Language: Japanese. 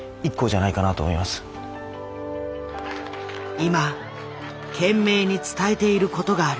今懸命に伝えている事がある。